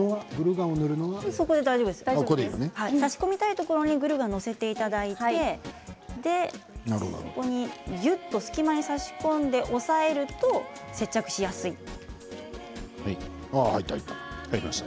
差し込みたいところにグルーガンを載せていただいて隙間にぎゅっと差し込んで押さえると接着しやすいです。